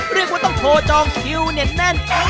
เรียกว่าต้องโชว์จองคิวเนี่ยแน่น